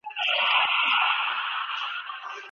شرعیاتو پوهنځۍ په ناقانونه توګه نه جوړیږي.